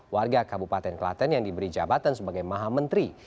warga kabupaten klaten yang diberi jabatan sebagai maha menteri